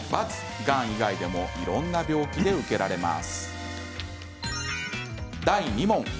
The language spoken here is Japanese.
がん以外でもいろんな病気で受けられます。